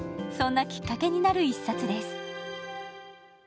そんなきっかけになる一冊です。